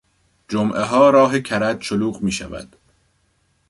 جمعهها راه کرج شلوغ میشود.